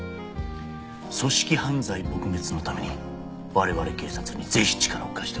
組織犯罪撲滅のために我々警察にぜひ力を貸してほしい。